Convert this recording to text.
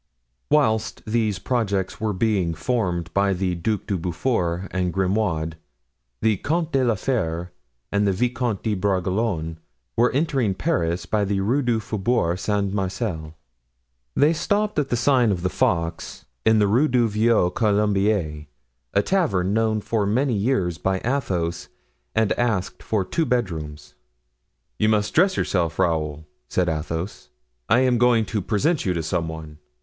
Whilst these projects were being formed by the Duc de Beaufort and Grimaud, the Comte de la Fere and the Vicomte de Bragelonne were entering Paris by the Rue du Faubourg Saint Marcel. They stopped at the sign of the Fox, in the Rue du Vieux Colombier, a tavern known for many years by Athos, and asked for two bedrooms. "You must dress yourself, Raoul," said Athos, "I am going to present you to some one."